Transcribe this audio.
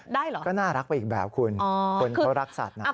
ได้เหรอคือคนเขารักสัตว์นะน่ารักไปอีกแบบคุณ